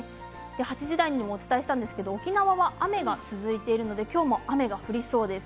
８時台にもお伝えしたんですけれども沖縄は雨が続いているので今日も雨が降りそうです。